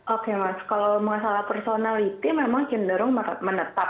oke mas kalau masalah